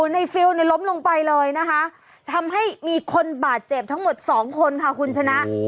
ในฟิวก็ลมลงบ้ายเลยทำให้มีคนบาดเจ็บทั้งหมด๒คนค่ะคุณชนะ